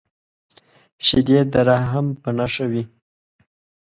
شیدې د رحم په نښه وي